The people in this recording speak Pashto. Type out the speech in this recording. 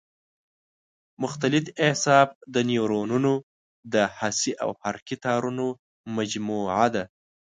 مختلط اعصاب د نیورونونو د حسي او حرکي تارونو مجموعه ده.